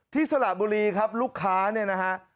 สระบุรีครับลูกค้าเนี่ยนะฮะ